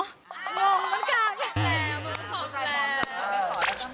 งงเหมือนกัน